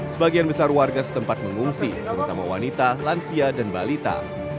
sebagian besar warga setempat mengungsi terutama wanita lansia dan balita